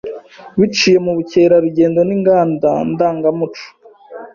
biciye mu bukerarugendo n’inganda ndangamuco.